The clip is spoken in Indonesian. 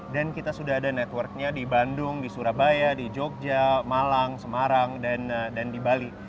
dan kita sudah ada network nya di bandung di surabaya di jogja malang semarang dan di bali